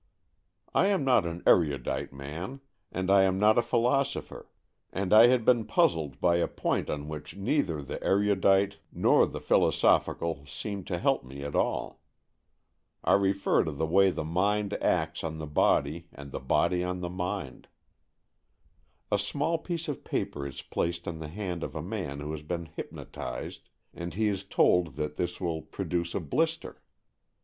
I am not an erudite man, and I am not a philosopher, and I had been puzzled by a point on which neither the erudite nor the philosophical seemed to help me at all. I refer to the way the mind acts on the body and the body on the mind. A small piece of paper is placed on the hand of a man who has been hypnotized, 26 AN EXCHANGE OF SOULS 27 and he is told that this will produce a blister.